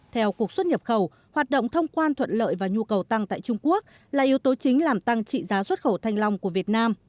theo cục xuất nhập khẩu hoạt động thông quan thuận lợi và nhu cầu tăng tại trung quốc là yếu tố chính làm tăng trị giá xuất khẩu thanh long của việt nam